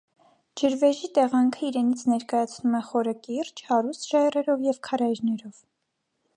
Ջրվեժի տեղանքը իրենից ներկայացնում է խորը կիրճ՝ հարուստ ժայռերով և քարայրներով։